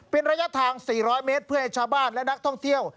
เป็นระยะทาง๔๐๐เมตรเพื่อให้ชาวบ้านและนักท่องเที่ยว